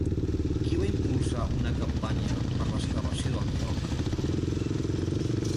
Qui va impulsar una campanya per l'excavació del lloc?